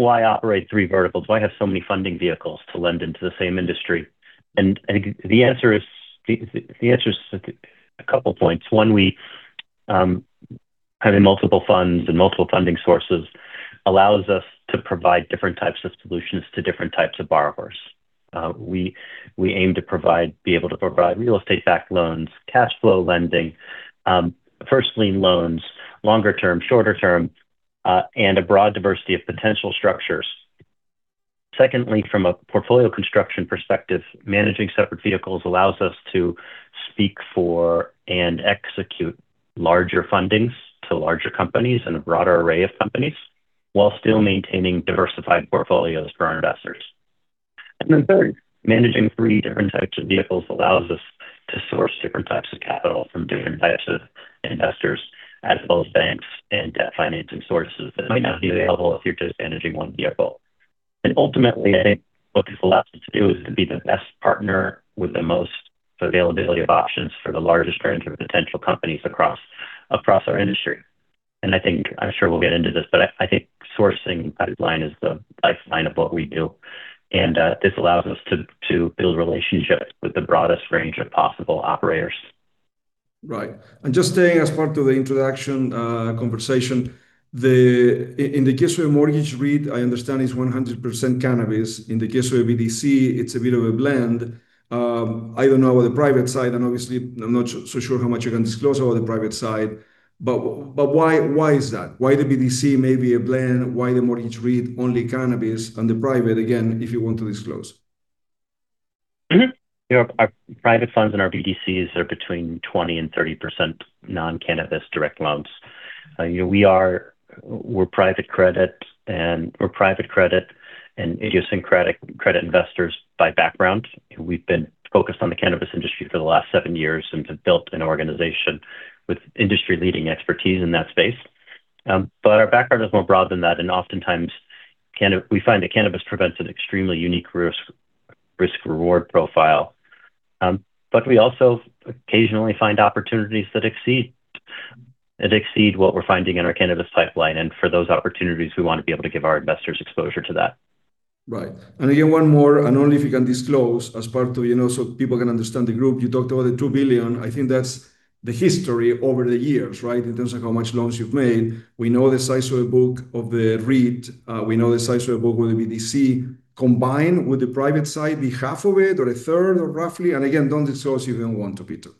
Why operate three verticals? Why have so many funding vehicles to lend into the same industry? And the answer is a couple of points. One, we have multiple funds and multiple funding sources that allow us to provide different types of solutions to different types of borrowers. We aim to be able to provide real estate-backed loans, cash flow lending, first-lien loans, longer-term, shorter-term, and a broad diversity of potential structures. Secondly, from a portfolio construction perspective, managing separate vehicles allows us to speak for and execute larger fundings to larger companies and a broader array of companies while still maintaining diversified portfolios for our investors. And then third, managing three different types of vehicles allows us to source different types of capital from different types of investors, as well as banks and debt financing sources that might not be available if you're just managing one vehicle. And ultimately, I think what this allows us to do is to be the best partner with the most availability of options for the largest range of potential companies across our industry. And I'm sure we'll get into this, but I think sourcing pipeline is the lifeline of what we do. And this allows us to build relationships with the broadest range of possible operators. Right. And just staying as part of the introduction conversation, in the case of a mortgage REIT, I understand it's 100% cannabis. In the case of a BDC, it's a bit of a blend. I don't know about the private side, and obviously, I'm not so sure how much you can disclose about the private side. But why is that? Why the BDC may be a blend? Why the mortgage REIT only cannabis and the private, again, if you want to disclose? Yeah. Private funds and our BDCs are between 20% and 30% non-cannabis direct loans. We're private credit and idiosyncratic credit investors by background. We've been focused on the cannabis industry for the last seven years and have built an organization with industry-leading expertise in that space. But our background is more broad than that. And oftentimes, we find that cannabis presents an extremely unique risk-reward profile. But we also occasionally find opportunities that exceed what we're finding in our cannabis pipeline. And for those opportunities, we want to be able to give our investors exposure to that. Right. And again, one more, and only if you can disclose as part of so people can understand the group. You talked about the $2 billion. I think that's the history over the years, right, in terms of how much loans you've made. We know the size of the book of the REIT. We know the size of the book of the BDC combined with the private side, be half of it or a third or roughly? And again, don't disclose if you don't want to, Peter.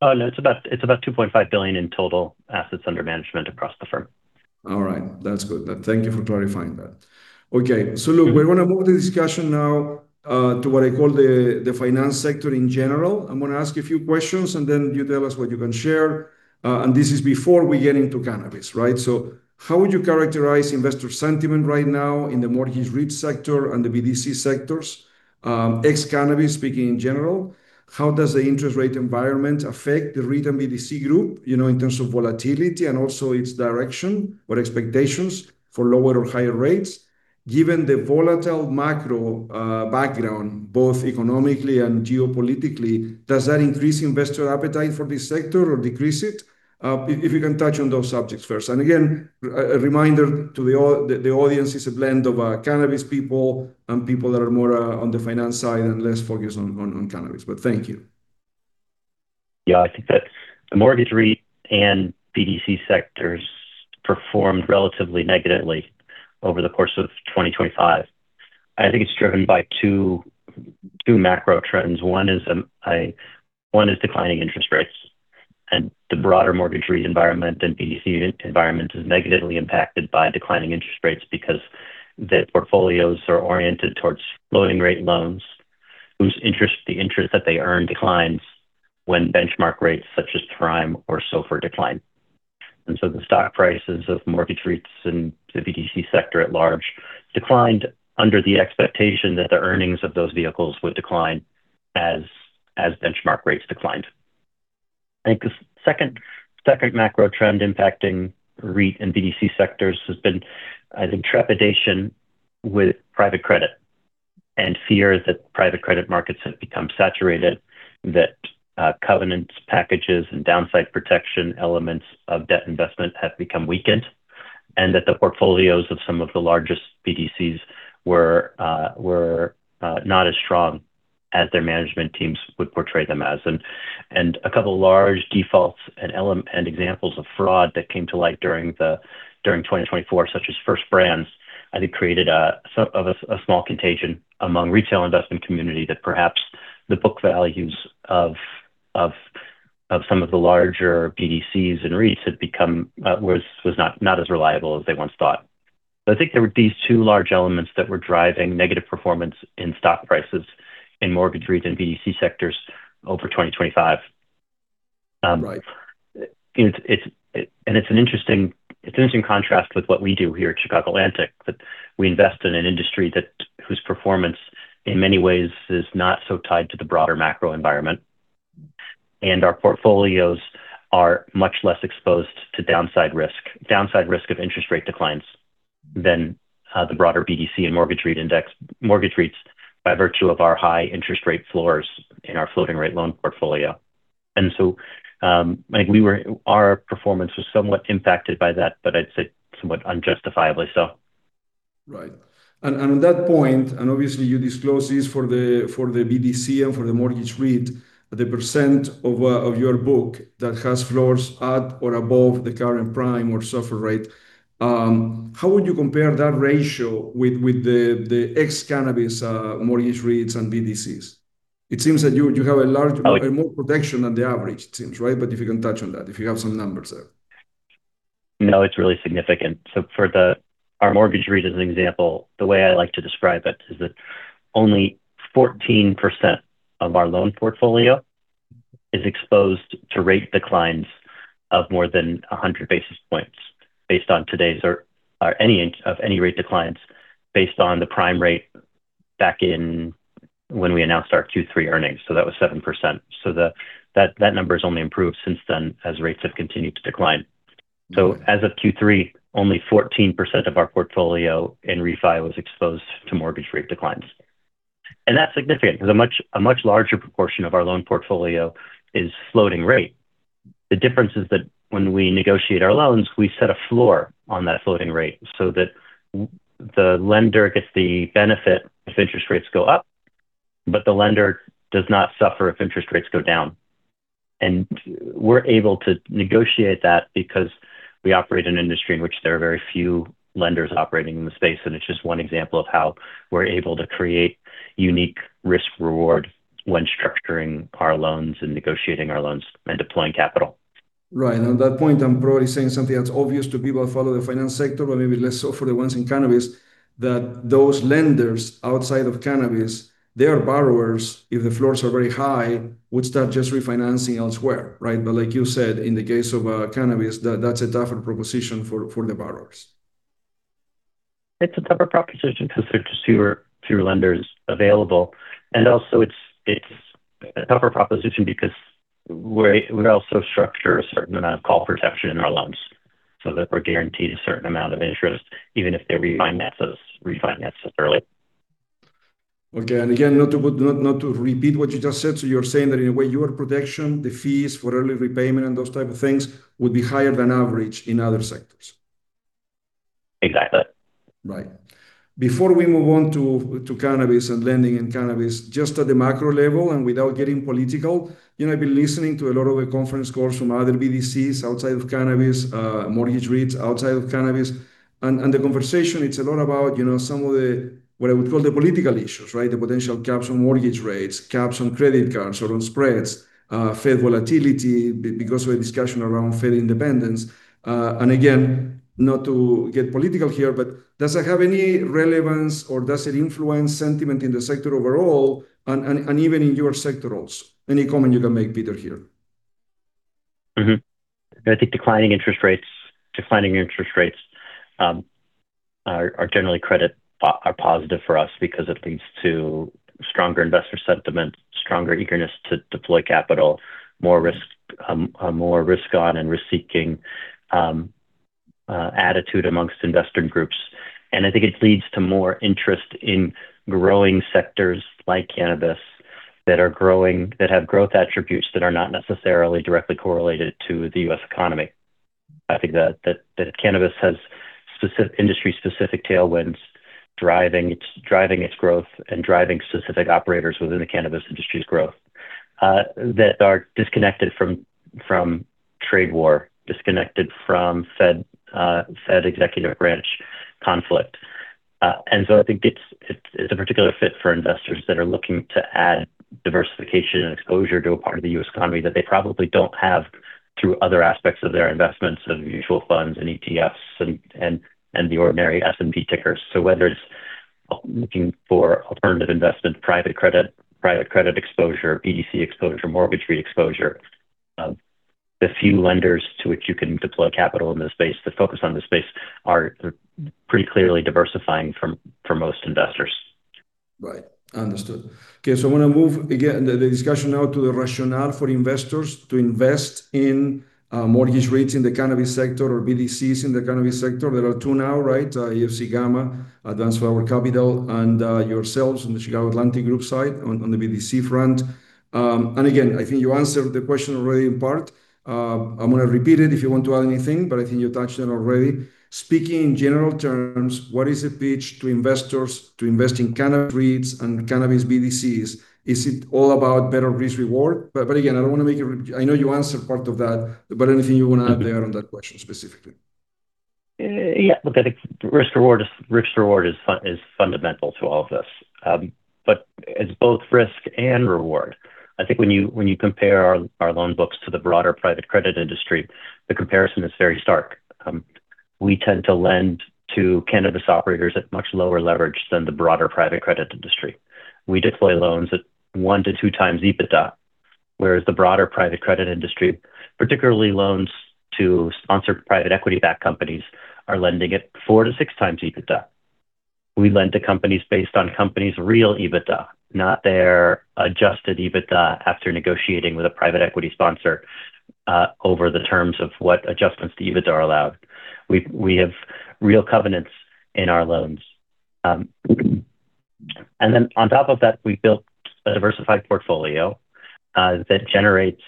Oh, no. It's about $2.5 billion in total assets under management across the firm. All right. That's good. Thank you for clarifying that. Okay. So look, we're going to move the discussion now to what I call the finance sector in general. I'm going to ask a few questions, and then you tell us what you can share, and this is before we get into cannabis, right? So how would you characterize investor sentiment right now in the mortgage REIT sector and the BDC sectors, ex-cannabis speaking in general? How does the interest rate environment affect the REIT and BDC group in terms of volatility and also its direction or expectations for lower or higher rates? Given the volatile macro background, both economically and geopolitically, does that increase investor appetite for this sector or decrease it? If you can touch on those subjects first. And again, a reminder to the audience, it's a blend of cannabis people and people that are more on the finance side and less focused on cannabis. But thank you. Yeah. I think that the mortgage REIT and BDC sectors performed relatively negatively over the course of 2025. I think it's driven by two macro trends. One is declining interest rates. And the broader mortgage REIT environment and BDC environment is negatively impacted by declining interest rates because the portfolios are oriented towards floating-rate loans, whose interest, the interest that they earn, declines when benchmark rates such as prime or SOFR decline. And so the stock prices of mortgage REITs and the BDC sector at large declined under the expectation that the earnings of those vehicles would decline as benchmark rates declined. I think the second macro trend impacting REIT and BDC sectors has been, I think, trepidation with private credit and fear that private credit markets have become saturated, that covenants, packages, and downside protection elements of debt investment have become weakened, and that the portfolios of some of the largest BDCs were not as strong as their management teams would portray them as, and a couple of large defaults and examples of fraud that came to light during 2024, such as First Brands, I think, created a small contagion among the retail investment community that perhaps the book values of some of the larger BDCs and REITs had become not as reliable as they once thought, but I think there were these two large elements that were driving negative performance in stock prices in mortgage REIT and BDC sectors over 2025. It's an interesting contrast with what we do here at Chicago Atlantic, that we invest in an industry whose performance in many ways is not so tied to the broader macro environment. Our portfolios are much less exposed to downside risk of interest rate declines than the broader BDC and mortgage REIT index by virtue of our high interest rate floors in our floating-rate loan portfolio. So I think our performance was somewhat impacted by that, but I'd say somewhat unjustifiably so. Right. And on that point, and obviously, you disclose this for the BDC and for the mortgage REIT, the % of your book that has floors at or above the current prime or SOFR rate, how would you compare that ratio with the ex-cannabis mortgage REITs and BDCs? It seems that you have a more protection than the average, it seems, right? But if you can touch on that, if you have some numbers there. No, it's really significant. So for our mortgage REIT as an example, the way I like to describe it is that only 14% of our loan portfolio is exposed to rate declines of more than 100 basis points based on today's or any rate declines based on the prime rate back in when we announced our Q3 earnings. So that was 7%. So that number has only improved since then as rates have continued to decline. So as of Q3, only 14% of our portfolio in REFI was exposed to mortgage rate declines. And that's significant because a much larger proportion of our loan portfolio is floating rate. The difference is that when we negotiate our loans, we set a floor on that floating rate so that the lender gets the benefit if interest rates go up, but the lender does not suffer if interest rates go down. And we're able to negotiate that because we operate in an industry in which there are very few lenders operating in the space. And it's just one example of how we're able to create unique risk-reward when structuring our loans and negotiating our loans and deploying capital. Right, and on that point, I'm probably saying something that's obvious to people who follow the finance sector, but maybe less so for the ones in cannabis, that those lenders outside of cannabis, their borrowers, if the floors are very high, would start just refinancing elsewhere, right, but like you said, in the case of cannabis, that's a tougher proposition for the borrowers. It's a tougher proposition because there are fewer lenders available, and also it's a tougher proposition because we also structure a certain amount of call protection in our loans so that we're guaranteed a certain amount of interest even if they refinance us early. Okay. And again, not to repeat what you just said, so you're saying that in a way, your protection, the fees for early repayment and those type of things would be higher than average in other sectors. Exactly. Right. Before we move on to cannabis and lending in cannabis, just at the macro level and without getting political, I've been listening to a lot of the conference calls from other BDCs outside of cannabis, mortgage REITs outside of cannabis. And the conversation, it's a lot about some of what I would call the political issues, right? The potential caps on mortgage rates, caps on credit cards or on spreads, Fed volatility because of a discussion around Fed independence. And again, not to get political here, but does it have any relevance or does it influence sentiment in the sector overall and even in your sector also? Any comment you can make, Peter, here? I think declining interest rates are generally credit positive for us because it leads to stronger investor sentiment, stronger eagerness to deploy capital, more risk-on and risk-seeking attitude among investor groups. And I think it leads to more interest in growing sectors like cannabis that have growth attributes that are not necessarily directly correlated to the U.S. economy. I think that cannabis has industry-specific tailwinds driving its growth and driving specific operators within the cannabis industry's growth that are disconnected from trade war, disconnected from Fed executive branch conflict. And so I think it's a particular fit for investors that are looking to add diversification and exposure to a part of the U.S. economy that they probably don't have through other aspects of their investments of mutual funds and ETFs and the ordinary S&P tickers. Whether it's looking for alternative investment, private credit, private credit exposure, BDC exposure, mortgage REIT exposure, the few lenders to which you can deploy capital in this space to focus on this space are pretty clearly diversifying for most investors. Right. Understood. Okay. So I want to move again the discussion now to the rationale for investors to invest in mortgage REITs in the cannabis sector or BDCs in the cannabis sector. There are two now, right? AFC Gamma, Advanced Flower Capital, and yourselves on the Chicago Atlantic Group side on the BDC front. And again, I think you answered the question already in part. I'm going to repeat it if you want to add anything, but I think you touched on it already. Speaking in general terms, what is the pitch to investors to invest in cannabis REITs and cannabis BDCs? Is it all about better risk-reward? But again, I don't want to make it, I know you answered part of that, but anything you want to add there on that question specifically? Yeah. Look, I think risk-reward is fundamental to all of this. But it's both risk and reward. I think when you compare our loan books to the broader private credit industry, the comparison is very stark. We tend to lend to cannabis operators at much lower leverage than the broader private credit industry. We deploy loans at 1x- 2x EBITDA, whereas the broader private credit industry, particularly loans to sponsored private equity-backed companies, are lending at 4x-6x EBITDA. We lend to companies based on companies' real EBITDA, not their adjusted EBITDA after negotiating with a private equity sponsor over the terms of what adjustments to EBITDA are allowed. We have real covenants in our loans. And then on top of that, we built a diversified portfolio that generates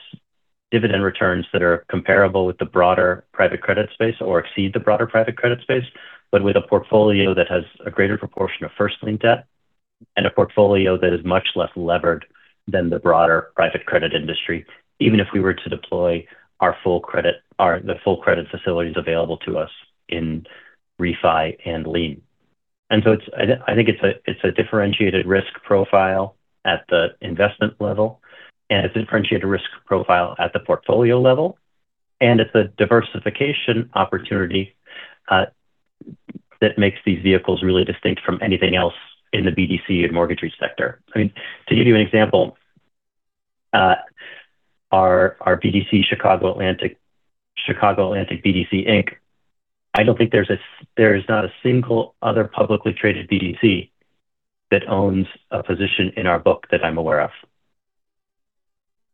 dividend returns that are comparable with the broader private credit space or exceed the broader private credit space, but with a portfolio that has a greater proportion of first-lien debt and a portfolio that is much less levered than the broader private credit industry, even if we were to deploy the full credit facilities available to us in REFI and LIEN. And so I think it's a differentiated risk profile at the investment level, and it's a differentiated risk profile at the portfolio level, and it's a diversification opportunity that makes these vehicles really distinct from anything else in the BDC and mortgage REIT sector. I mean, to give you an example, our BDC Chicago Atlantic BDC, Inc., I don't think there's not a single other publicly traded BDC that owns a position in our book that I'm aware of.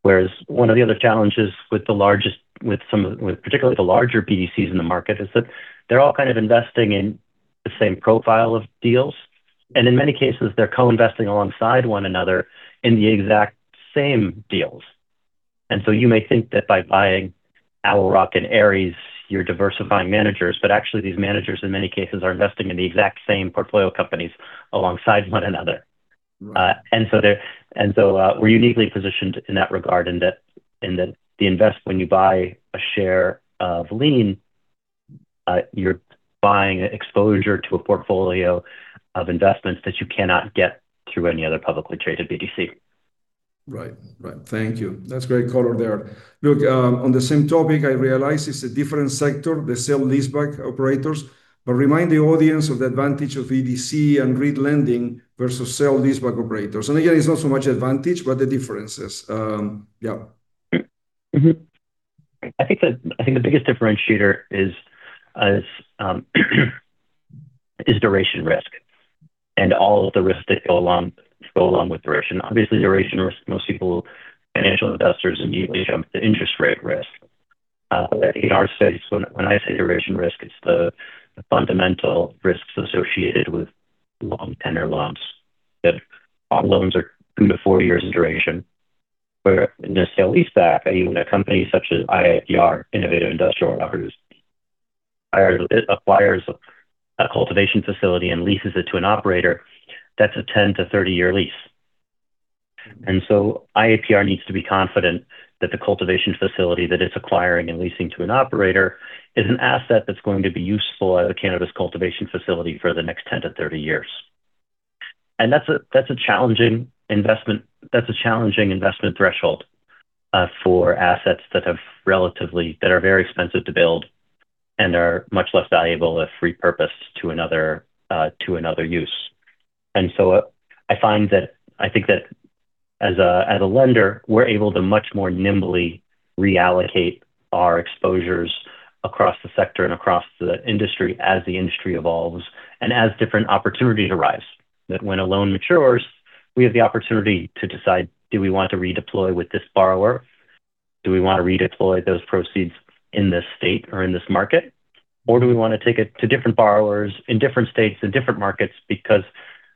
Whereas one of the other challenges with particularly the larger BDCs in the market is that they're all kind of investing in the same profile of deals, and in many cases, they're co-investing alongside one another in the exact same deals, and so you may think that by buying Owl Rock and Ares, you're diversifying managers, but actually these managers in many cases are investing in the exact same portfolio companies alongside one another, and so we're uniquely positioned in that regard in that when you buy a share of LIEN, you're buying exposure to a portfolio of investments that you cannot get through any other publicly traded BDC. Right. Right. Thank you. That's a great color there. Look, on the same topic, I realize it's a different sector, the sale leaseback operators, but remind the audience of the advantage of BDC and REIT lending versus sale leaseback operators, and again, it's not so much advantage, but the differences. Yeah. I think the biggest differentiator is duration risk and all of the risks that go along with duration. Obviously, duration risk, most people, financial investors, immediately jump to interest rate risk. In our space, when I say duration risk, it's the fundamental risks associated with long-tenor loans that loans are two to four years in duration. Where in a sale leaseback, even a company such as IIPR, Innovative Industrial Properties, acquires a cultivation facility and leases it to an operator, that's a 10 to 30-year lease. And so IIPR needs to be confident that the cultivation facility that it's acquiring and leasing to an operator is an asset that's going to be useful as a cannabis cultivation facility for the next 10 to 30 years. And that's a challenging investment threshold for assets that are very expensive to build and are much less valuable if repurposed to another use. And so I think that as a lender, we're able to much more nimbly reallocate our exposures across the sector and across the industry as the industry evolves and as different opportunities arise. That when a loan matures, we have the opportunity to decide, do we want to redeploy with this borrower? Do we want to redeploy those proceeds in this state or in this market? Or do we want to take it to different borrowers in different states and different markets because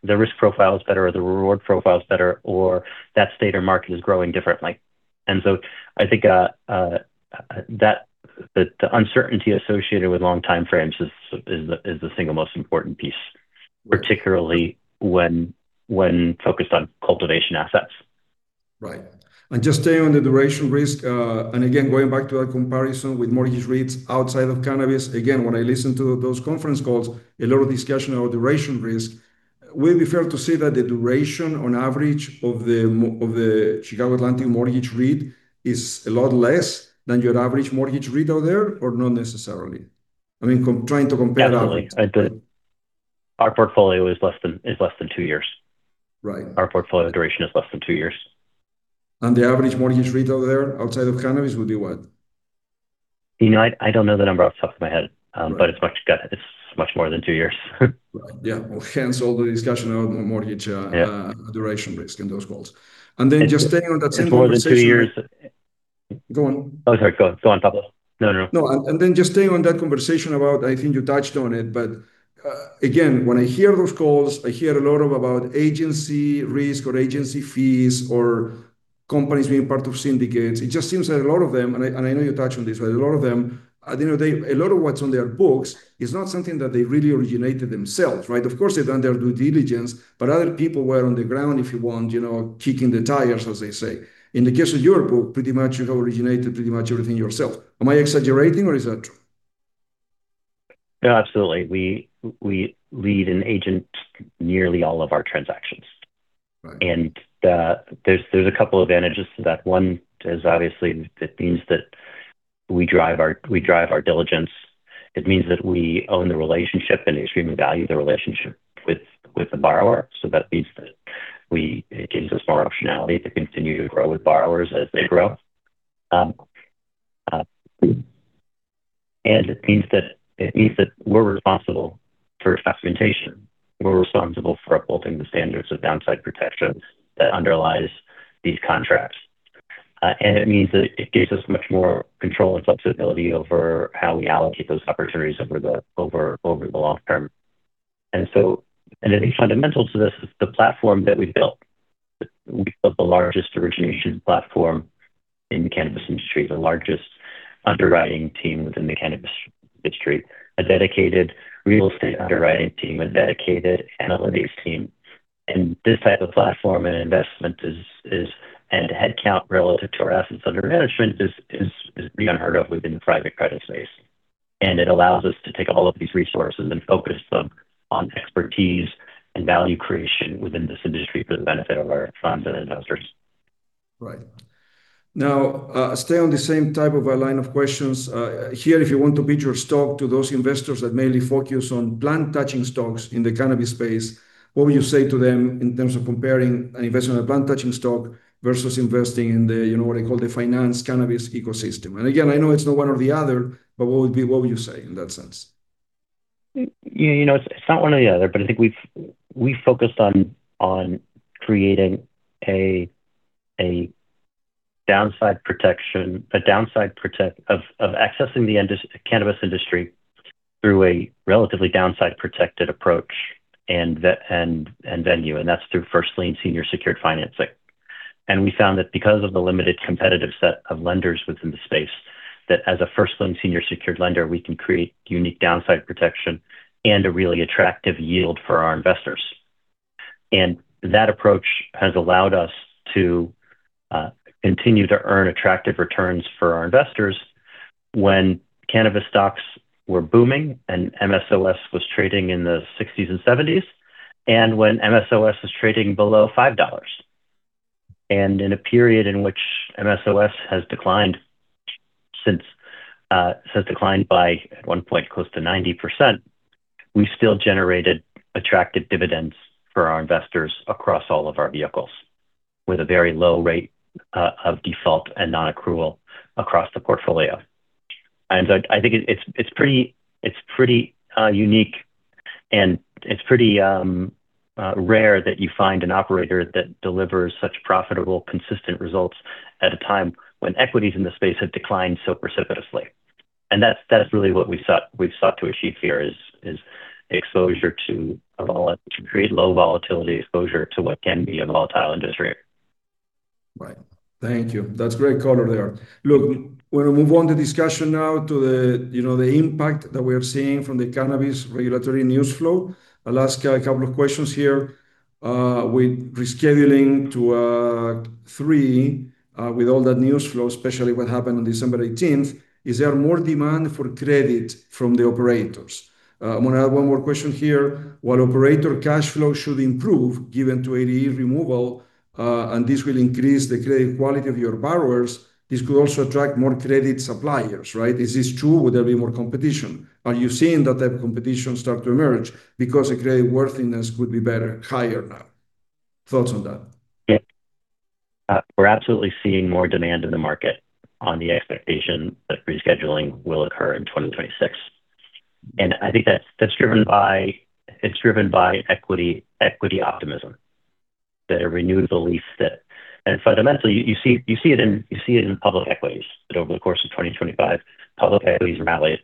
the risk profile is better or the reward profile is better or that state or market is growing differently? And so I think that the uncertainty associated with long time frames is the single most important piece, particularly when focused on cultivation assets. Right. And just staying on the duration risk, and again, going back to that comparison with mortgage REITs outside of cannabis, again, when I listen to those conference calls, a lot of discussion about duration risk, would it be fair to say that the duration on average of the Chicago Atlantic mortgage REIT is a lot less than your average mortgage REIT out there or not necessarily? I mean, trying to compare that. Definitely. Our portfolio is less than two years. Our portfolio duration is less than two years. The average mortgage REIT out there outside of cannabis would be what? I don't know the number off the top of my head, but it's much more than two years. Yeah. Hence all the discussion about mortgage duration risk in those calls, and then just staying on that same conversation. More than two years. Go on. Oh, sorry. Go on, Pablo. No, no, no. No. And then just staying on that conversation about, I think you touched on it, but again, when I hear those calls, I hear a lot about agency risk or agency fees or companies being part of syndicates. It just seems that a lot of them, and I know you touched on this, but a lot of them, at the end of the day, a lot of what's on their books is not something that they really originated themselves, right? Of course, they've done their due diligence, but other people were on the ground, if you want, kicking the tires, as they say. In the case of your book, pretty much you have originated pretty much everything yourself. Am I exaggerating or is that true? Absolutely. We lead and arrange nearly all of our transactions. And there's a couple of advantages to that. One is obviously that means that we drive our diligence. It means that we own the relationship and extremely value the relationship with the borrower. So that means that it gives us more optionality to continue to grow with borrowers as they grow. And it means that we're responsible for documentation. We're responsible for upholding the standards of downside protection that underlies these contracts. And it means that it gives us much more control and flexibility over how we allocate those opportunities over the long term. And I think fundamental to this is the platform that we built. We built the largest origination platform in the cannabis industry, the largest underwriting team within the cannabis industry, a dedicated real estate underwriting team, a dedicated analytics team. This type of platform and investment and headcount relative to our assets under management is unheard of within the private credit space. It allows us to take all of these resources and focus them on expertise and value creation within this industry for the benefit of our funds and investors. Right. Now, stay on the same type of a line of questions. Here, if you want to pitch your stock to those investors that mainly focus on plant-touching stocks in the cannabis space, what would you say to them in terms of comparing an investment in a plant-touching stock versus investing in what I call the finance cannabis ecosystem? And again, I know it's not one or the other, but what would you say in that sense? It's not one or the other, but I think we focused on creating a downside protection, a downside of accessing the cannabis industry through a relatively downside-protected approach and venue, and that's through first-lien senior secured financing. And we found that because of the limited competitive set of lenders within the space, that as a first-lien senior secured lender, we can create unique downside protection and a really attractive yield for our investors. And that approach has allowed us to continue to earn attractive returns for our investors when cannabis stocks were booming and MSOS was trading in the 60s and 70s, and when MSOS was trading below $5. And in a period in which MSOS has declined by, at one point, close to 90%, we still generated attractive dividends for our investors across all of our vehicles with a very low rate of default and non-accrual across the portfolio. And I think it's pretty unique, and it's pretty rare that you find an operator that delivers such profitable, consistent results at a time when equities in the space have declined so precipitously. And that's really what we've sought to achieve here is exposure to create low volatility exposure to what can be a volatile industry. Right. Thank you. That's a great color there. Look, we're going to move on the discussion now to the impact that we are seeing from the cannabis regulatory news flow. I'll ask a couple of questions here. With rescheduling to three with all that news flow, especially what happened on December 18th, is there more demand for credit from the operators? I'm going to add one more question here. While operator cash flow should improve given to 280E removal, and this will increase the credit quality of your borrowers, this could also attract more credit suppliers, right? Is this true? Would there be more competition? Are you seeing that type of competition start to emerge because the creditworthiness could be higher now? Thoughts on that? Yeah. We're absolutely seeing more demand in the market on the expectation that rescheduling will occur in 2026. And I think that's driven by equity optimism that a renewed belief that, and fundamentally, you see it in public equities that over the course of 2025, public equities rallied.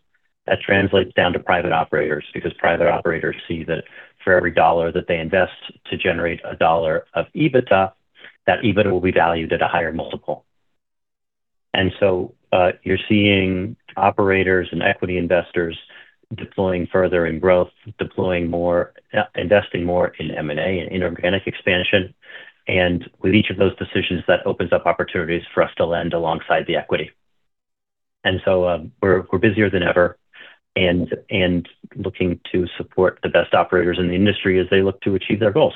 That translates down to private operators because private operators see that for every dollar that they invest to generate a dollar of EBITDA, that EBITDA will be valued at a higher multiple. And so you're seeing operators and equity investors deploying further in growth, deploying more, investing more in M&A and inorganic expansion. And with each of those decisions, that opens up opportunities for us to lend alongside the equity. And so we're busier than ever and looking to support the best operators in the industry as they look to achieve their goals.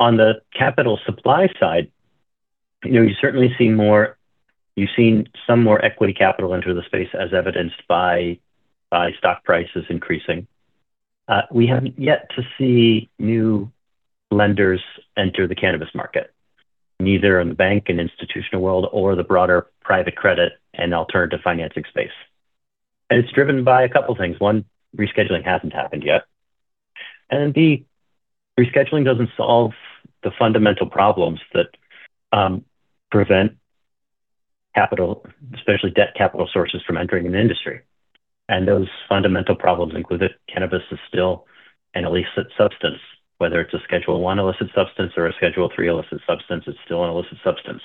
On the capital supply side, you certainly see more. You've seen some more equity capital enter the space as evidenced by stock prices increasing. We haven't yet to see new lenders enter the cannabis market, neither in the bank and institutional world or the broader private credit and alternative financing space. And it's driven by a couple of things. One, rescheduling hasn't happened yet, and then B, rescheduling doesn't solve the fundamental problems that prevent capital, especially debt capital sources, from entering in the industry, and those fundamental problems include that cannabis is still an illicit substance. Whether it's a Schedule I illicit substance or a Schedule III illicit substance, it's still an illicit substance.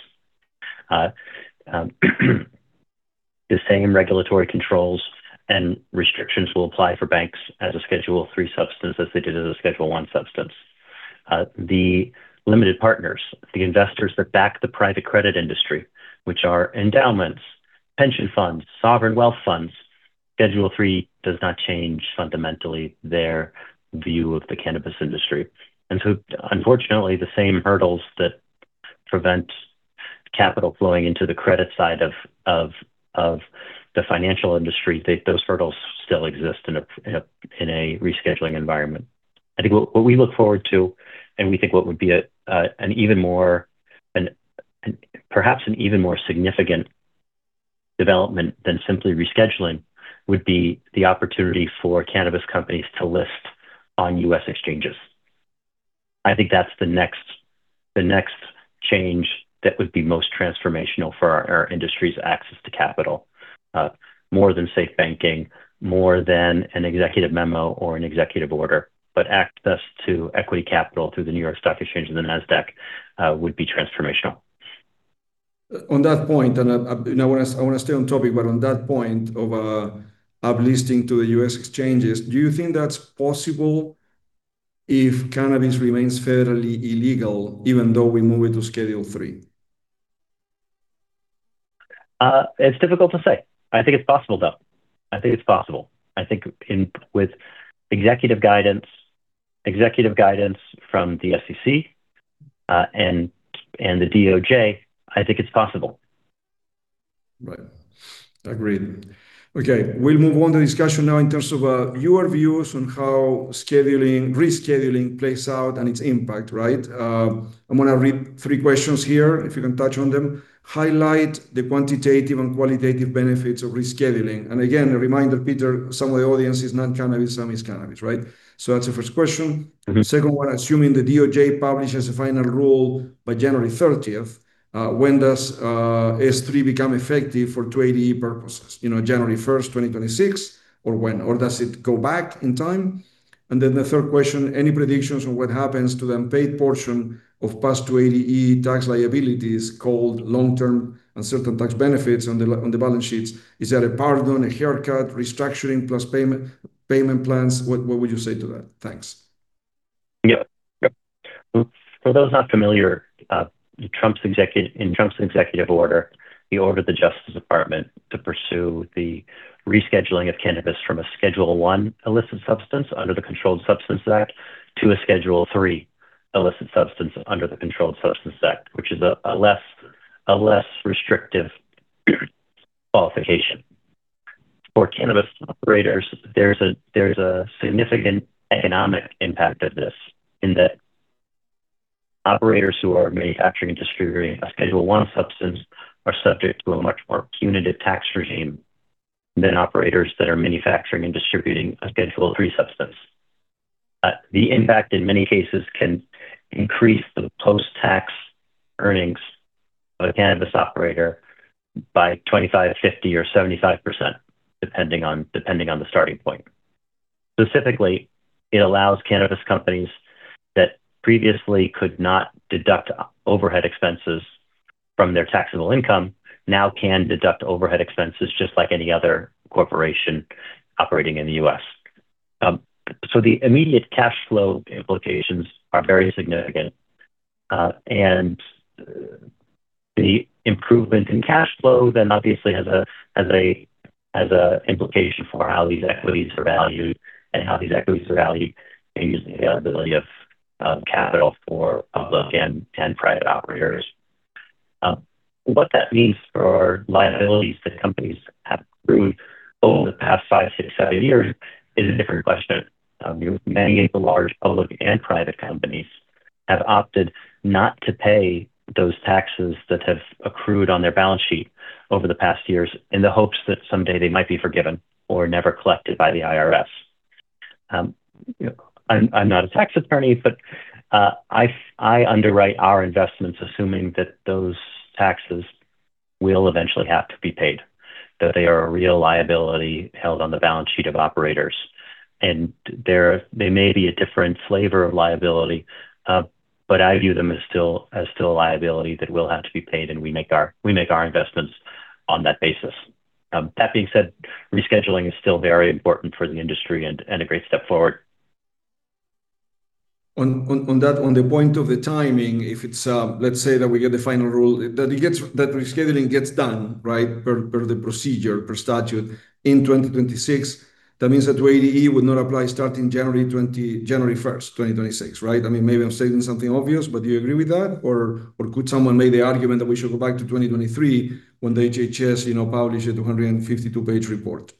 The same regulatory controls and restrictions will apply for banks as a Schedule III substance as they did as a Schedule I substance. The limited partners, the investors that back the private credit industry, which are endowments, pension funds, sovereign wealth funds. Schedule III does not change fundamentally their view of the cannabis industry, so unfortunately, the same hurdles that prevent capital flowing into the credit side of the financial industry, those hurdles still exist in a rescheduling environment. I think what we look forward to, and we think what would be an even more, perhaps an even more significant development than simply rescheduling, would be the opportunity for cannabis companies to list on U.S. exchanges. I think that's the next change that would be most transformational for our industry's access to capital, more than SAFE Banking, more than an executive memo or an executive order, but access to equity capital through the New York Stock Exchange and the Nasdaq would be transformational. On that point, and I want to stay on topic, but on that point of uplisting to the U.S. exchanges, do you think that's possible if cannabis remains federally illegal even though we move it to Schedule III? It's difficult to say. I think it's possible, though. I think it's possible. I think with executive guidance, executive guidance from the SEC and the DOJ, I think it's possible. Right. Agreed. Okay. We'll move on the discussion now in terms of your views on how rescheduling plays out and its impact, right? I'm going to read three questions here, if you can touch on them. Highlight the quantitative and qualitative benefits of rescheduling. And again, a reminder, Peter, some of the audience is non-cannabis, some is cannabis, right? So that's the first question. Second one, assuming the DOJ publishes a final rule by January 30th, when does S3 become effective for 280E purposes? January 1st, 2026, or when? Or does it go back in time? And then the third question, any predictions on what happens to the unpaid portion of past 280E tax liabilities called long-term uncertain tax benefits on the balance sheets? Is there a pardon, a haircut, restructuring plus payment plans? What would you say to that? Thanks. Yeah. For those not familiar, in Trump's executive order, he ordered the Justice Department to pursue the rescheduling of cannabis from a Schedule I illicit substance under the Controlled Substances Act to a Schedule III illicit substance under the Controlled Substances Act, which is a less restrictive qualification. For cannabis operators, there's a significant economic impact of this in that operators who are manufacturing and distributing a Schedule I substance are subject to a much more punitive tax regime than operators that are manufacturing and distributing a Schedule III substance. The impact in many cases can increase the post-tax earnings of a cannabis operator by 25%, 50%, or 75%, depending on the starting point. Specifically, it allows cannabis companies that previously could not deduct overhead expenses from their taxable income now can deduct overhead expenses just like any other corporation operating in the U.S. The immediate cash flow implications are very significant. The improvement in cash flow then obviously has an implication for how these equities are valued using the availability of capital for public and private operators. What that means for liabilities that companies have accrued over the past five, six, seven years is a different question. Many of the large public and private companies have opted not to pay those taxes that have accrued on their balance sheet over the past years in the hopes that someday they might be forgiven or never collected by the IRS. I'm not a tax attorney, but I underwrite our investments assuming that those taxes will eventually have to be paid, that they are a real liability held on the balance sheet of operators. And there may be a different flavor of liability, but I view them as still a liability that will have to be paid, and we make our investments on that basis. That being said, rescheduling is still very important for the industry and a great step forward. On that, on the point of the timing, if it's, let's say that we get the final rule, that rescheduling gets done, right, per the procedure, per statute in 2026, that means that 280E would not apply starting January 1st, 2026, right? I mean, maybe I'm stating something obvious, but do you agree with that? Or could someone make the argument that we should go back to 2023 when the HHS published a 252-page report?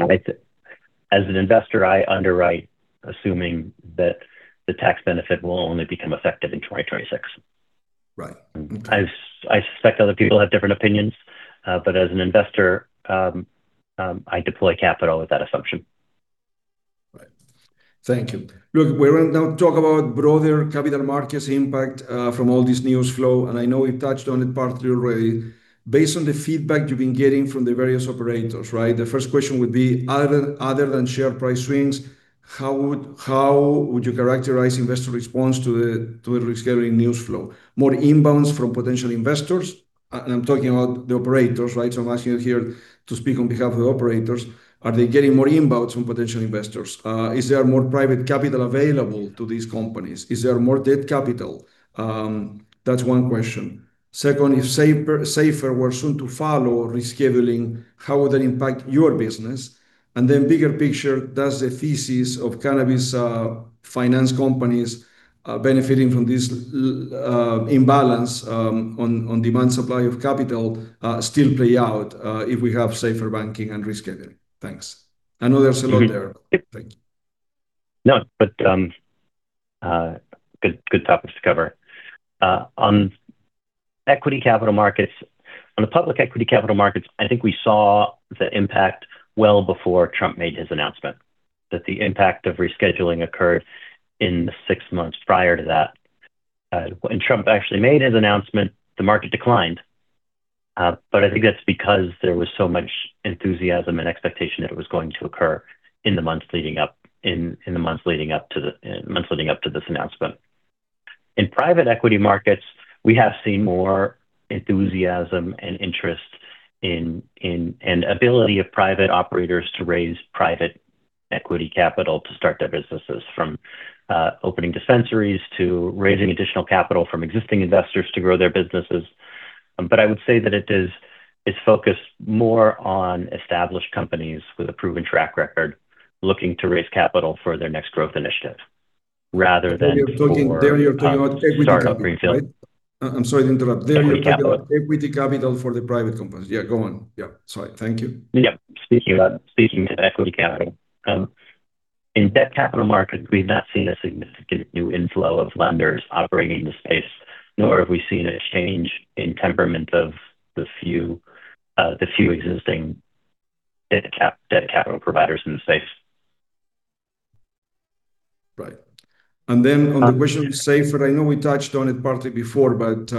As an investor, I underwrite assuming that the tax benefit will only become effective in 2026. Right. I suspect other people have different opinions, but as an investor, I deploy capital with that assumption. Right. Thank you. Look, we're going to talk about broader capital markets impact from all this news flow, and I know we've touched on it partly already. Based on the feedback you've been getting from the various operators, right, the first question would be, other than share price swings, how would you characterize investor response to the rescheduling news flow? More inbounds from potential investors? And I'm talking about the operators, right? So I'm asking you here to speak on behalf of the operators. Are they getting more inbounds from potential investors? Is there more private capital available to these companies? Is there more debt capital? That's one question. Second, if SAFER were soon to follow rescheduling, how would that impact your business? And then bigger picture, does the thesis of cannabis finance companies benefiting from this imbalance on demand supply of capital still play out if we have SAFER Banking and rescheduling? Thanks. I know there's a lot there. Thank you. No, but good topics to cover. On equity capital markets, on the public equity capital markets, I think we saw the impact well before Trump made his announcement, that the impact of rescheduling occurred in the six months prior to that. When Trump actually made his announcement, the market declined. But I think that's because there was so much enthusiasm and expectation that it was going to occur in the months leading up to this announcement. In private equity markets, we have seen more enthusiasm and interest and ability of private operators to raise private equity capital to start their businesses, from opening dispensaries to raising additional capital from existing investors to grow their businesses. But I would say that it is focused more on established companies with a proven track record looking to raise capital for their next growth initiative rather than start-up greenfield. I'm sorry to interrupt. There you go. Equity capital for the private companies. Yeah, go on. Yeah. Sorry. Thank you. Yeah. Speaking of equity capital, in debt capital markets, we've not seen a significant new inflow of lenders operating in the space, nor have we seen a change in temperament of the few existing debt capital providers in the space. Right. And then on the question of SAFER, I know we touched on it partly before, but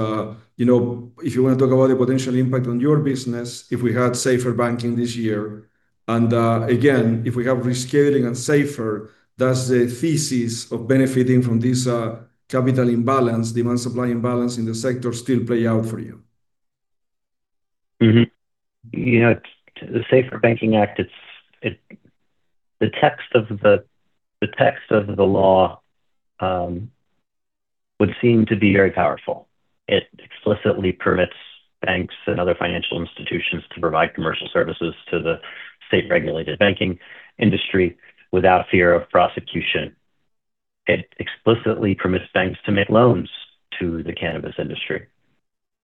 if you want to talk about the potential impact on your business, if we had SAFER Banking this year, and again, if we have rescheduling and SAFER, does the thesis of benefiting from this capital imbalance, demand supply imbalance in the sector still play out for you? Yeah. The SAFER Banking Act, the text of the law would seem to be very powerful. It explicitly permits banks and other financial institutions to provide commercial services to the state-regulated banking industry without fear of prosecution. It explicitly permits banks to make loans to the cannabis industry.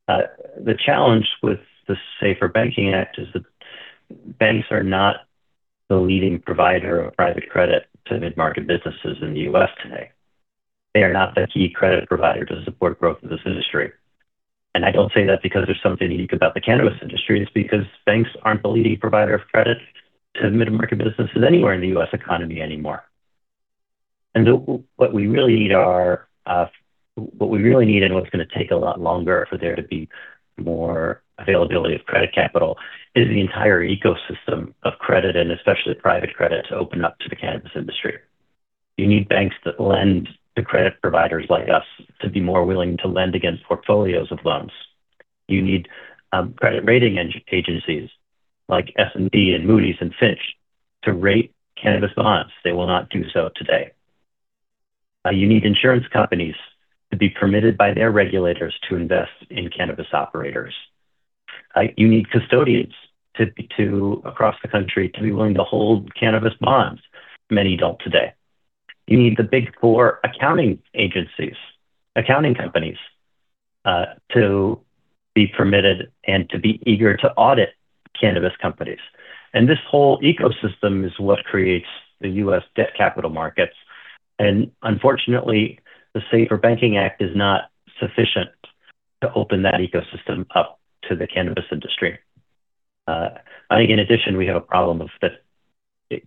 The challenge with the SAFER Banking Act is that banks are not the leading provider of private credit to mid-market businesses in the U.S. today. They are not the key credit provider to support growth of this industry. And I don't say that because there's something unique about the cannabis industry. It's because banks aren't the leading provider of credit to mid-market businesses anywhere in the U.S. economy anymore. What we really need and what's going to take a lot longer for there to be more availability of credit capital is the entire ecosystem of credit and especially private credit to open up to the cannabis industry. You need banks that lend to credit providers like us to be more willing to lend against portfolios of loans. You need credit rating agencies like S&P and Moody's and Fitch to rate cannabis bonds. They will not do so today. You need insurance companies to be permitted by their regulators to invest in cannabis operators. You need custodians across the country to be willing to hold cannabis bonds. Many don't today. You need the Big Four accounting agencies, accounting companies to be permitted and to be eager to audit cannabis companies. This whole ecosystem is what creates the U.S. debt capital markets. Unfortunately, the SAFER Banking Act is not sufficient to open that ecosystem up to the cannabis industry. I think in addition, we have a problem that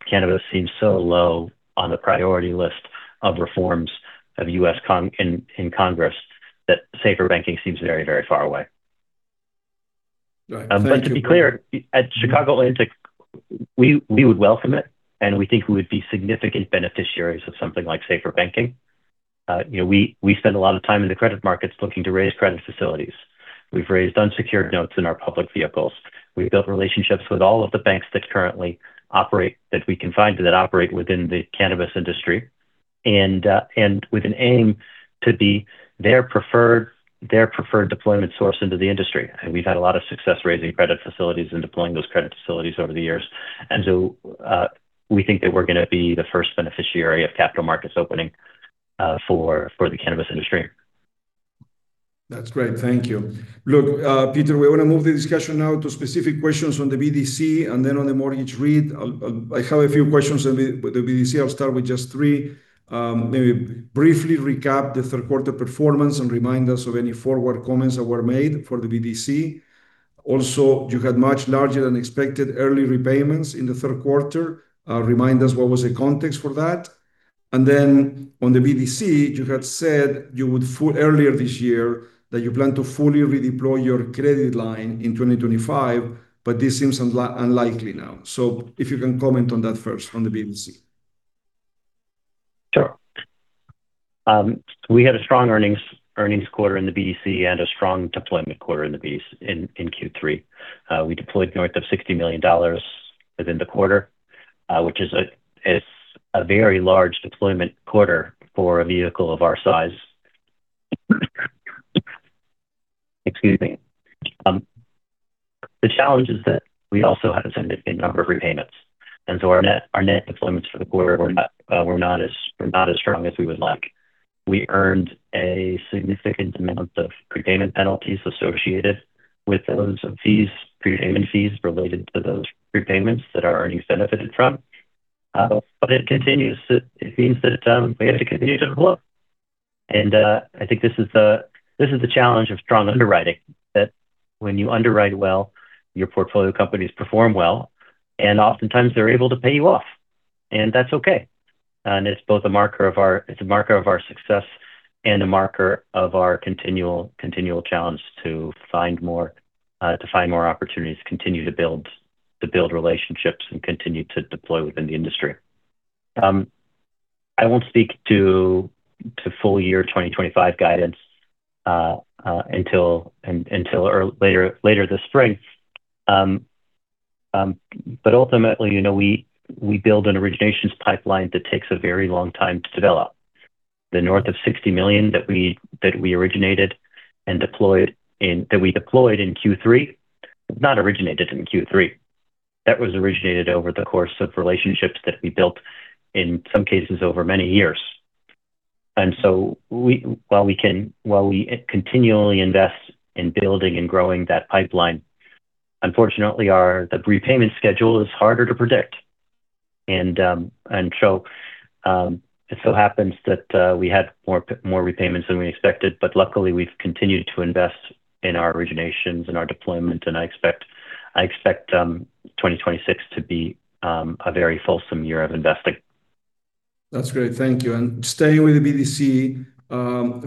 cannabis seems so low on the priority list of reforms in Congress that SAFER Banking seems very, very far away. But to be clear, at Chicago Atlantic, we would welcome it, and we think we would be significant beneficiaries of something like SAFER Banking. We spend a lot of time in the credit markets looking to raise credit facilities. We've raised unsecured notes in our public vehicles. We've built relationships with all of the banks that currently operate that we can find that operate within the cannabis industry and with an aim to be their preferred deployment source into the industry. And we've had a lot of success raising credit facilities and deploying those credit facilities over the years. And so we think that we're going to be the first beneficiary of capital markets opening for the cannabis industry. That's great. Thank you. Look, Peter, we're going to move the discussion now to specific questions on the BDC and then on the mortgage REIT. I have a few questions on the BDC. I'll start with just three. Maybe briefly recap the third-quarter performance and remind us of any forward comments that were made for the BDC. Also, you had much larger than expected early repayments in the third quarter. Remind us what was the context for that. And then on the BDC, you had said earlier this year that you plan to fully redeploy your credit line in 2025, but this seems unlikely now. So if you can comment on that first on the BDC. Sure. We had a strong earnings quarter in the BDC and a strong deployment quarter in Q3. We deployed north of $60 million within the quarter, which is a very large deployment quarter for a vehicle of our size. Excuse me. The challenge is that we also had a significant number of repayments. And so our net deployments for the quarter were not as strong as we would like. We earned a significant amount of prepayment penalties associated with those fees, prepayment fees related to those prepayments that our earnings benefited from. But it means that we have to continue to grow up. And I think this is the challenge of strong underwriting, that when you underwrite well, your portfolio companies perform well, and oftentimes they're able to pay you off. And that's okay. It's both a marker of our success and a marker of our continual challenge to find more opportunities, continue to build relationships, and continue to deploy within the industry. I won't speak to full year 2025 guidance until later this spring. But ultimately, we build an originations pipeline that takes a very long time to develop. The north of $60 million that we originated and deployed in Q3, not originated in Q3. That was originated over the course of relationships that we built in some cases over many years. And so while we continually invest in building and growing that pipeline, unfortunately, the repayment schedule is harder to predict. And so it so happens that we had more repayments than we expected, but luckily, we've continued to invest in our originations and our deployment, and I expect 2026 to be a very fulsome year of investing. That's great. Thank you. And staying with the BDC,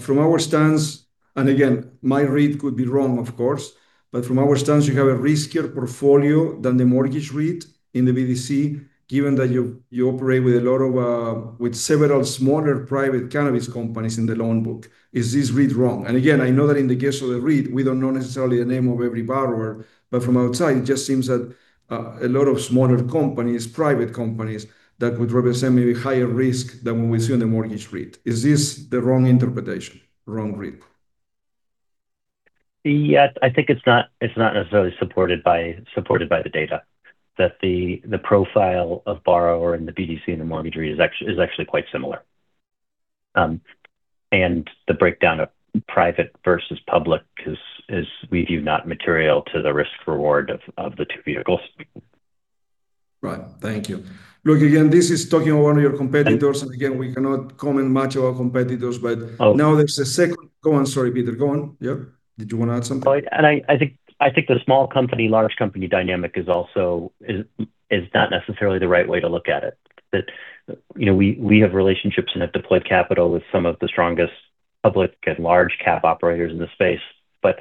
from our stance, and again, my read could be wrong, of course, but from our stance, you have a riskier portfolio than the mortgage REIT in the BDC, given that you operate with several smaller private cannabis companies in the loan book. Is this read wrong? And again, I know that in the case of the REIT, we don't know necessarily the name of every borrower, but from outside, it just seems that a lot of smaller companies, private companies that would represent maybe higher risk than what we see on the mortgage REIT. Is this the wrong interpretation, wrong read? Yes, I think it's not necessarily supported by the data that the profile of borrower in the BDC and the mortgage REIT is actually quite similar, and the breakdown of private versus public is, we view, not material to the risk-reward of the two vehicles. Right. Thank you. Look, again, this is talking about one of your competitors. And again, we cannot comment much about competitors, but now there's a second go on, sorry, Peter. Go on. Yeah? Did you want to add something? I think the small company-large company dynamic is not necessarily the right way to look at it. We have relationships and have deployed capital with some of the strongest public and large cap operators in the space. But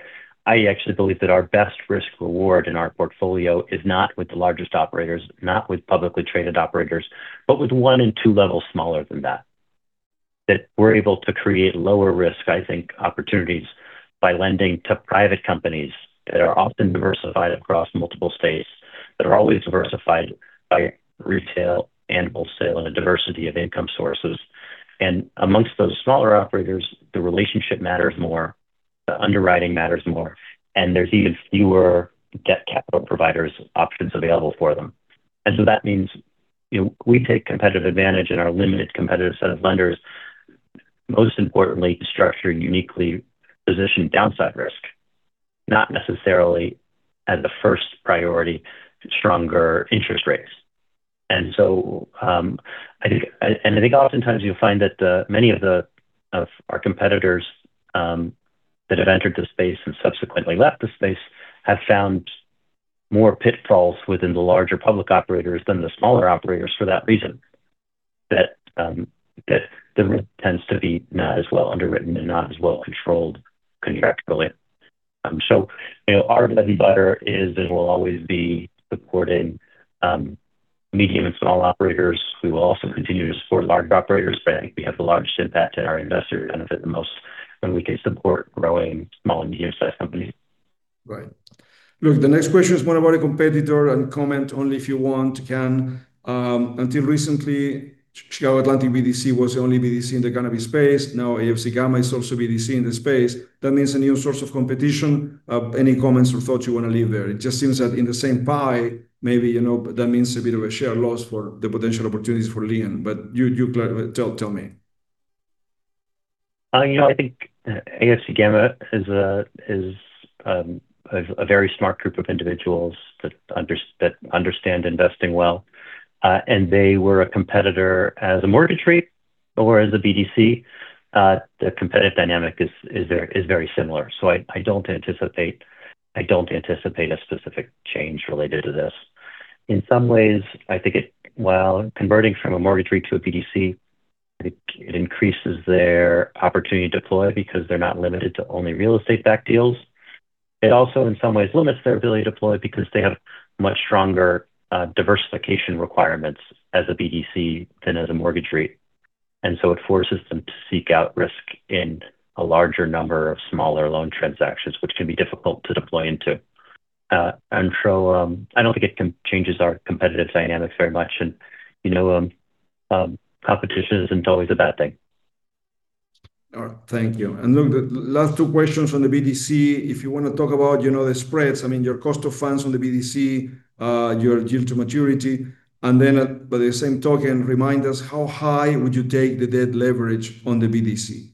I actually believe that our best risk-reward in our portfolio is not with the largest operators, not with publicly traded operators, but with one and two levels smaller than that. That we're able to create lower risk, I think, opportunities by lending to private companies that are often diversified across multiple states, that are always diversified by retail and wholesale and a diversity of income sources. Among those smaller operators, the relationship matters more. The underwriting matters more. There's even fewer debt capital providers options available for them. And so that means we take competitive advantage in our limited competitive set of lenders, most importantly, structured uniquely positioned downside risk, not necessarily as a first priority to stronger interest rates. And I think oftentimes you'll find that many of our competitors that have entered the space and subsequently left the space have found more pitfalls within the larger public operators than the smaller operators for that reason that the REIT tends to be not as well underwritten and not as well controlled contractually. So our bread and butter is and will always be supporting medium and small operators. We will also continue to support large operators, but I think we have the largest impact in our investor benefit the most when we can support growing small and medium-sized companies. Right. Look, the next question is one about a competitor and comment only if you want. Until recently, Chicago Atlantic BDC was the only BDC in the cannabis space. Now AFC Gamma is also BDC in the space. That means a new source of competition. Any comments or thoughts you want to leave there? It just seems that in the same pie, maybe that means a bit of a share loss for the potential opportunities for LIEN. But tell me. I think AFC Gamma is a very smart group of individuals that understand investing well, and they were a competitor as a mortgage REIT or as a BDC. The competitive dynamic is very similar, so I don't anticipate a specific change related to this. In some ways, I think while converting from a mortgage REIT to a BDC, I think it increases their opportunity to deploy because they're not limited to only real estate-backed deals. It also in some ways limits their ability to deploy because they have much stronger diversification requirements as a BDC than as a mortgage REIT, and so it forces them to seek out risk in a larger number of smaller loan transactions, which can be difficult to deploy into, and so I don't think it changes our competitive dynamics very much, and competition isn't always a bad thing. All right. Thank you. And look, the last two questions on the BDC, if you want to talk about the spreads, I mean, your cost of funds on the BDC, your yield to maturity. And then by the same token, remind us how high would you take the debt leverage on the BDC?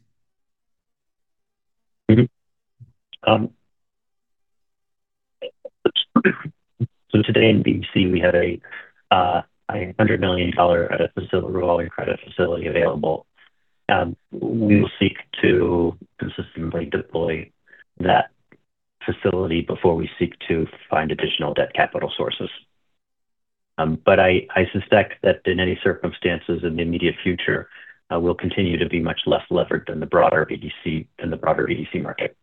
So today in BDC, we have a $100 million facility, revolver and credit facility available. We will seek to consistently deploy that facility before we seek to find additional debt capital sources. But I suspect that in any circumstances in the immediate future, we'll continue to be much less levered than the broader BDC market.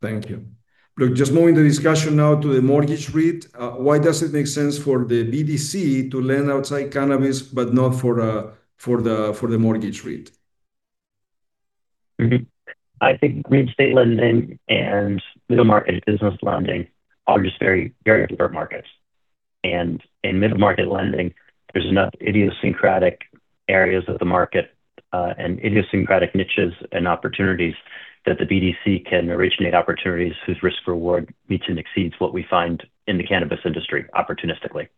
Thank you. Look, just moving the discussion now to the mortgage REIT. Why does it make sense for the BDC to lend outside cannabis, but not for the mortgage REIT? I think real estate lending and middle-market business lending are just very different markets. And in middle-market lending, there's enough idiosyncratic areas of the market and idiosyncratic niches and opportunities that the BDC can originate opportunities whose risk-reward meets and exceeds what we find in the cannabis industry opportunistically.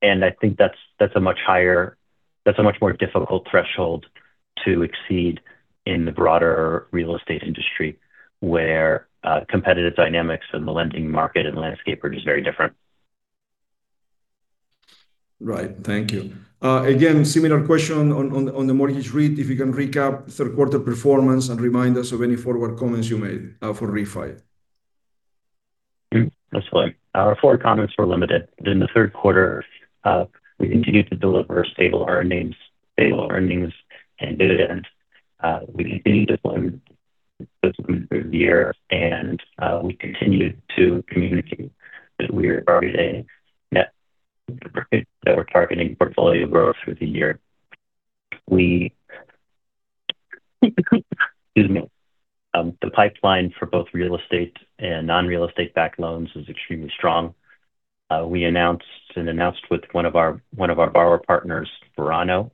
And I think that's a much higher, that's a much more difficult threshold to exceed in the broader real estate industry where competitive dynamics and the lending market and landscape are just very different. Right. Thank you. Again, similar question on the mortgage REIT, if you can recap third-quarter performance and remind us of any forward comments you made for REFI? Absolutely. Our forward comments were limited. In the third quarter, we continued to deliver stable earnings and dividends. We continued to deploy through the year, and we continued to communicate that we are targeting portfolio growth through the year. The pipeline for both real estate and non-real estate-backed loans is extremely strong. We announced with one of our borrower partners, Verano,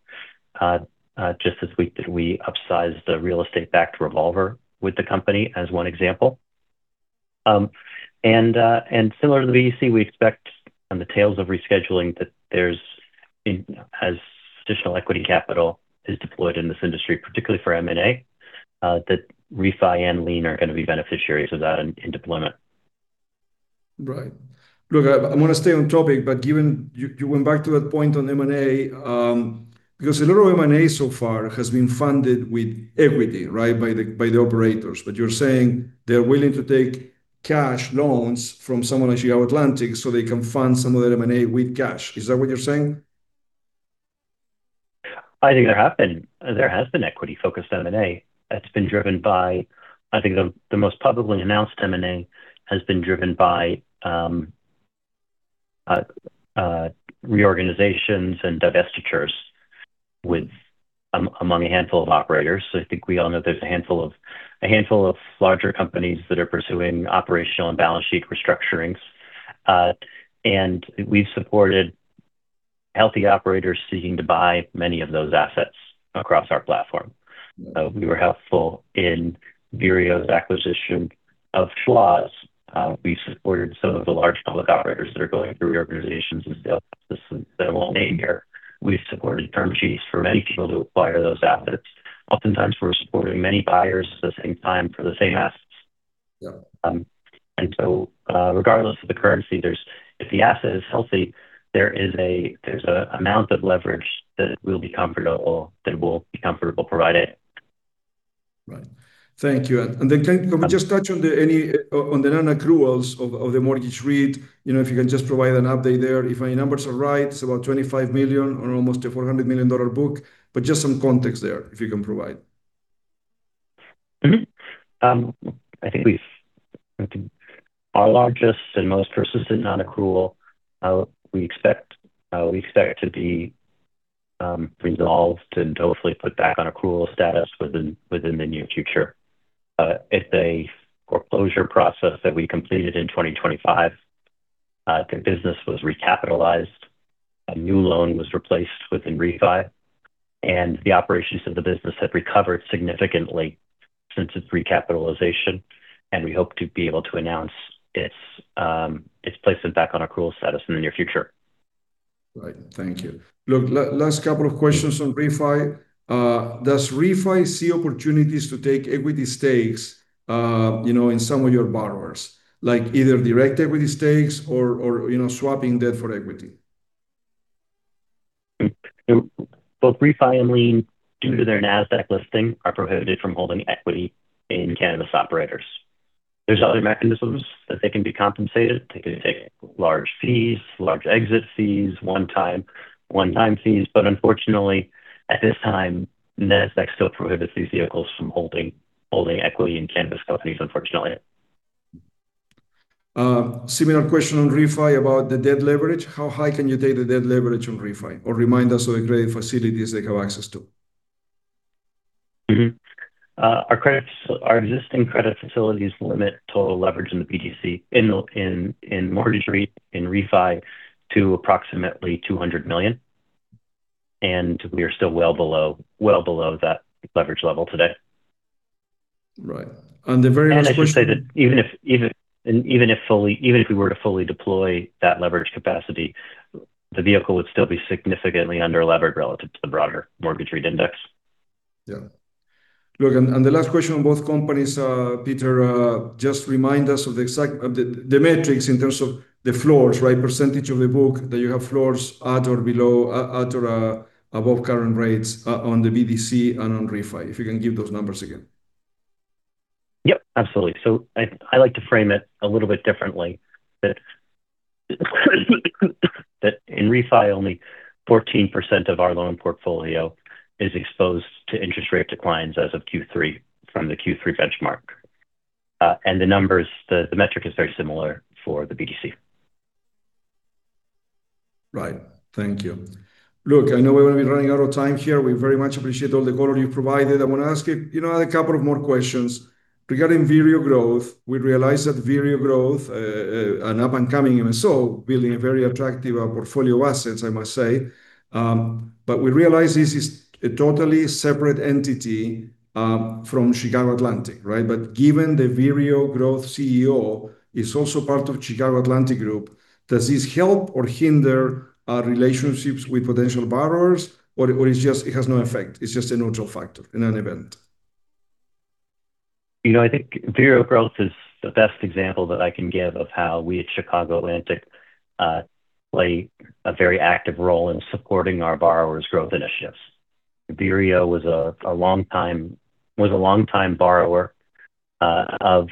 just this week that we upsized the real estate-backed revolver with the company as one example. Similar to the BDC, we expect on the tails of rescheduling that there's additional equity capital deployed in this industry, particularly for M&A, that REFI and LIEN are going to be beneficiaries of that in deployment. Right. Look, I want to stay on topic, but given you went back to that point on M&A, because a lot of M&A so far has been funded with equity, right, by the operators. But you're saying they're willing to take cash loans from someone like Chicago Atlantic so they can fund some of their M&A with cash. Is that what you're saying? I think there has been equity-focused M&A. It's been driven by, I think the most publicly announced M&A has been driven by reorganizations and divestitures among a handful of operators. I think we all know there's a handful of larger companies that are pursuing operational and balance sheet restructurings. And we've supported healthy operators seeking to buy many of those assets across our platform. We were helpful in Vireo's acquisition of Solhaus. We supported some of the large public operators that are going through reorganizations and sales processes that I won't name here. We've supported term sheets for many people to acquire those assets. Oftentimes, we're supporting many buyers at the same time for the same assets. And so regardless of the currency, if the asset is healthy, there is an amount of leverage that we'll be comfortable providing. Right. Thank you. And then can we just touch on the non-accruals of the mortgage REIT? If you can just provide an update there? If my numbers are right, it's about $25 million or almost a $400 million book. But just some context there, if you can provide? I think our largest and most persistent non-accrual, we expect to be resolved and hopefully put back on accrual status within the near future. It's a foreclosure process that we completed in 2025. The business was recapitalized. A new loan was replaced within REFI, and the operations of the business have recovered significantly since its recapitalization, and we hope to be able to announce its placement back on accrual status in the near future. Right. Thank you. Look, last couple of questions on REFI. Does REFI see opportunities to take equity stakes in some of your borrowers, like either direct equity stakes or swapping debt for equity? Both REFI and LIEN, due to their Nasdaq listing, are prohibited from holding equity in cannabis operators. There's other mechanisms that they can be compensated. They can take large fees, large exit fees, one-time fees. But unfortunately, at this time, Nasdaq still prohibits these vehicles from holding equity in cannabis companies, unfortunately. Similar question on REFI about the debt leverage. How high can you take the debt leverage on REFI? Or remind us of the credit facilities they have access to. Our existing credit facilities limit total leverage in the BDC, in mortgage REIT, in REFI to approximately $200 million, and we are still well below that leverage level today. Right. And the very last question. I should say that even if we were to fully deploy that leverage capacity, the vehicle would still be significantly underleveraged relative to the broader mortgage REIT index. Yeah. Look, and the last question on both companies, Peter, just remind us of the metrics in terms of the floors, right? Percentage of the book that you have floors at or below, at or above current rates on the BDC and on REFI, if you can give those numbers again. Yep, absolutely. So I like to frame it a little bit differently. That in REFI, only 14% of our loan portfolio is exposed to interest rate declines as of Q3 from the Q3 benchmark, and the metric is very similar for the BDC. Right. Thank you. Look, I know we're going to be running out of time here. We very much appreciate all the color you've provided. I want to ask you a couple of more questions. Regarding Vireo Growth, we realize that Vireo Growth, an up-and-coming MSO, building a very attractive portfolio of assets, I must say. But we realize this is a totally separate entity from Chicago Atlantic, right? But given that Vireo Growth CEO is also part of Chicago Atlantic Group, does this help or hinder relationships with potential borrowers? Or it has no effect? It's just a neutral factor in an event? I think Vireo Growth is the best example that I can give of how we at Chicago Atlantic play a very active role in supporting our borrowers' growth initiatives. Vireo was a long-time borrower of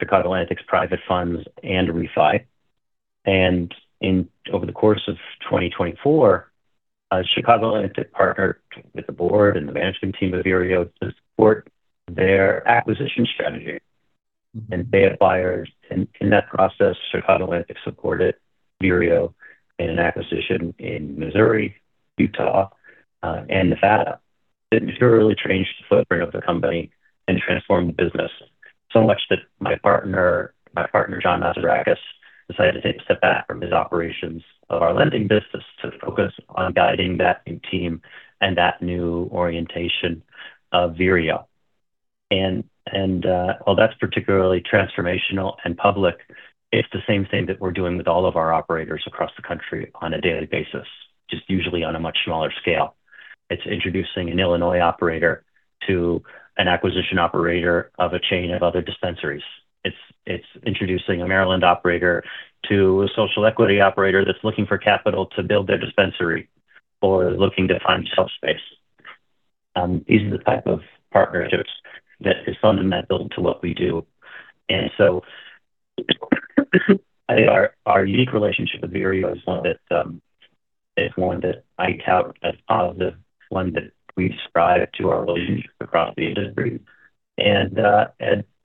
Chicago Atlantic's private funds and REFI. And over the course of 2024, Chicago Atlantic partnered with the board and the management team of Vireo to support their acquisition strategy. And they had buyers. In that process, Chicago Atlantic supported Vireo in an acquisition in Missouri, Utah, and Nevada. It really changed the footprint of the company and transformed the business so much that my partner, John Mazarakis, decided to take a step back from his operations of our lending business to focus on guiding that new team and that new orientation of Vireo. And while that's particularly transformational and public, it's the same thing that we're doing with all of our operators across the country on a daily basis, just usually on a much smaller scale. It's introducing an Illinois operator to an acquisition operator of a chain of other dispensaries. It's introducing a Maryland operator to a social equity operator that's looking for capital to build their dispensary or is looking to find retail space. These are the type of partnerships that are fundamental to what we do. And so I think our unique relationship with Vireo is one that I tout as positive, one that we ascribe to our relationship across the industry. And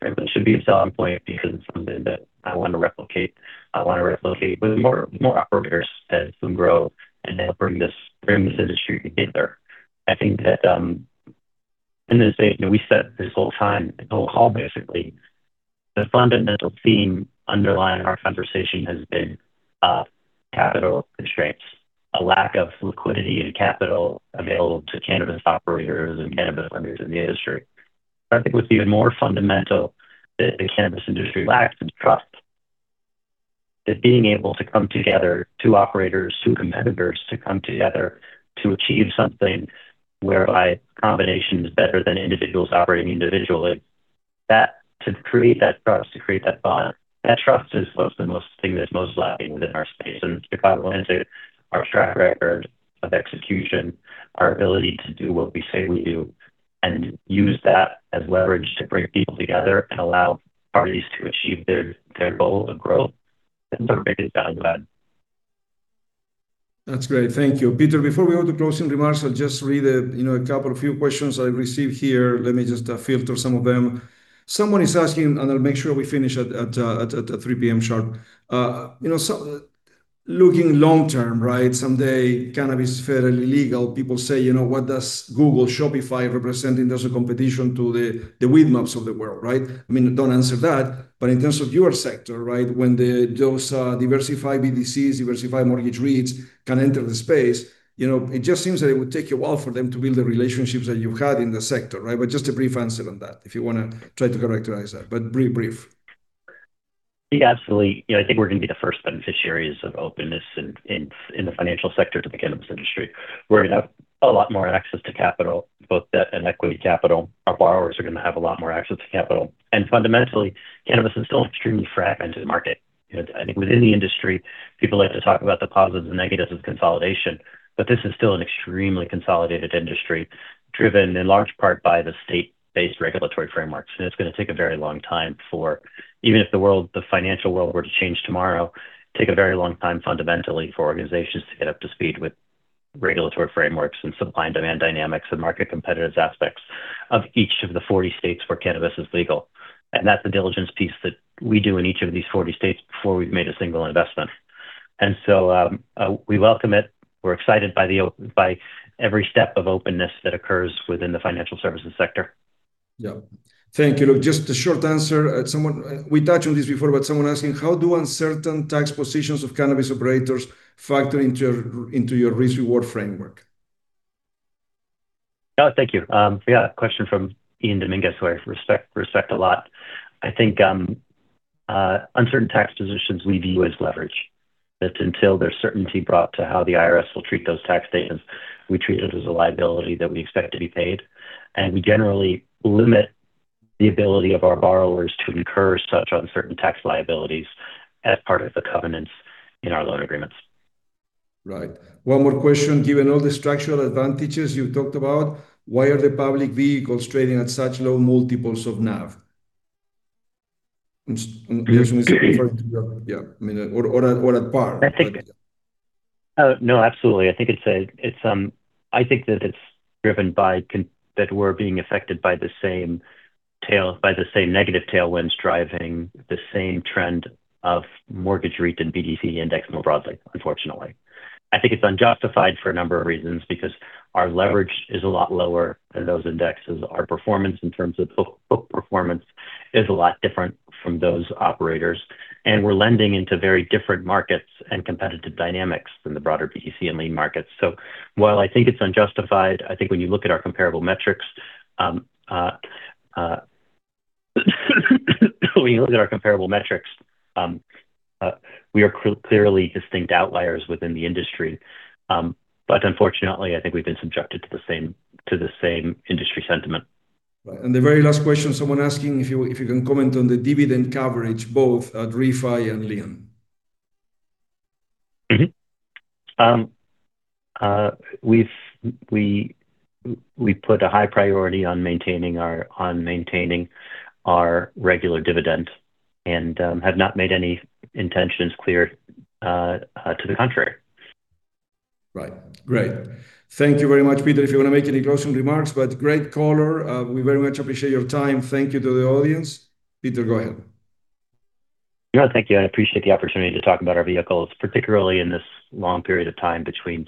it should be a selling point because it's something that I want to replicate. I want to replicate with more operators as we grow and bring this industry together. I think that in this statement, we said this whole time, the whole call basically, the fundamental theme underlying our conversation has been capital constraints, a lack of liquidity and capital available to cannabis operators and cannabis lenders in the industry. But I think what's even more fundamental is that the cannabis industry lacks the trust. That being able to come together, two operators, two competitors to come together to achieve something whereby a combination is better than individuals operating individually, to create that trust, to create that bond, that trust is the most thing that's most lacking within our space. And Chicago Atlantic, our track record of execution, our ability to do what we say we do and use that as leverage to bring people together and allow parties to achieve their goal of growth, that's the greatest value add. That's great. Thank you. Peter, before we go to closing remarks, I'll just read a couple of few questions I received here. Let me just filter some of them. Someone is asking, and I'll make sure we finish at 3:00 P.M. sharp. Looking long term, right, someday cannabis is federally legal. People say, you know, what does Google, Shopify represent in terms of competition to the Weedmaps of the world, right? I mean, don't answer that. But in terms of your sector, right, when those diversified BDCs, diversified mortgage REITs can enter the space, it just seems that it would take a while for them to build the relationships that you had in the sector, right? But just a brief answer on that, if you want to try to characterize that. But brief, brief. Yeah, absolutely. I think we're going to be the first beneficiaries of openness in the financial sector to the cannabis industry. We're going to have a lot more access to capital, both debt and equity capital. Our borrowers are going to have a lot more access to capital. And fundamentally, cannabis is still an extremely fragmented market. I think within the industry, people like to talk about the positives and negatives of consolidation. But this is still an extremely consolidated industry driven in large part by the state-based regulatory frameworks. And it's going to take a very long time for, even if the world, the financial world, were to change tomorrow, it would take a very long time fundamentally for organizations to get up to speed with regulatory frameworks and supply and demand dynamics and market competitive aspects of each of the 40 states where cannabis is legal. That's the diligence piece that we do in each of these 40 states before we've made a single investment. So we welcome it. We're excited by every step of openness that occurs within the financial services sector. Yeah. Thank you. Look, just a short answer. We touched on this before, but someone asking, how do uncertain tax positions of cannabis operators factor into your risk-reward framework? Yeah, thank you. We got a question from Ian Dominguez, who I respect a lot. I think uncertain tax positions we view as leverage. That until there's certainty brought to how the IRS will treat those tax statements, we treat it as a liability that we expect to be paid. And we generally limit the ability of our borrowers to incur such uncertain tax liabilities as part of the covenants in our loan agreements. Right. One more question. Given all the structural advantages you've talked about, why are the public vehicles trading at such low multiples of NAV? Yeah, I mean, or at par. No, absolutely. I think that it's driven by that we're being affected by the same negative tailwinds driving the same trend of mortgage REIT and BDC index more broadly, unfortunately. I think it's unjustified for a number of reasons because our leverage is a lot lower than those indexes. Our performance in terms of book performance is a lot different from those operators. And we're lending into very different markets and competitive dynamics than the broader BDC and LIEN markets. So while I think it's unjustified, I think when you look at our comparable metrics, when you look at our comparable metrics, we are clearly distinct outliers within the industry. But unfortunately, I think we've been subjected to the same industry sentiment. Right, and the very last question, someone asking if you can comment on the dividend coverage, both at REFI and LIEN. We've put a high priority on maintaining our regular dividend and have not made any intentions clear to the contrary. Right. Great. Thank you very much, Peter, if you want to make any closing remarks. But great caller. We very much appreciate your time. Thank you to the audience. Peter, go ahead. Yeah, thank you. I appreciate the opportunity to talk about our vehicles, particularly in this long period of time between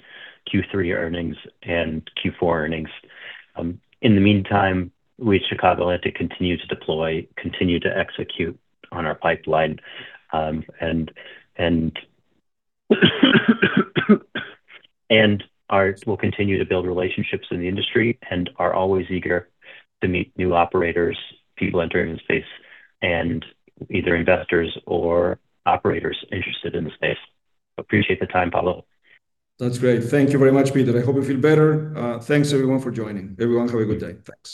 Q3 earnings and Q4 earnings. In the meantime, we at Chicago Atlantic continue to deploy, continue to execute on our pipeline, and we'll continue to build relationships in the industry and are always eager to meet new operators, people entering the space, and either investors or operators interested in the space. Appreciate the time, Pablo. That's great. Thank you very much, Peter. I hope you feel better. Thanks, everyone, for joining. Everyone, have a good day. Thanks.